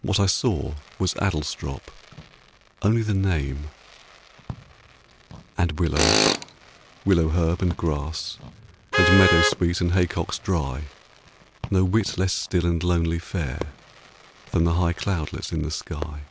What I saw Was Adlestrop only the name And willows, willow herb, and grass, And meadowsweet, and haycocks dry, No whit less still and lonely fair Than the high cloudlets in the sky.